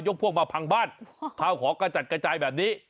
พวกมาพังบ้านข้าวของกระจัดกระจายแบบนี้